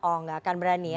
oh enggak akan berani ya